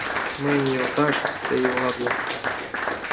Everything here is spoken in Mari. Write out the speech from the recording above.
Мыйын йолташ тый улат гын